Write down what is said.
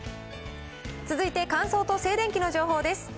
続いて乾燥と静電気の情報です。